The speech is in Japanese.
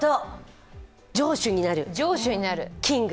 城主になる、キング。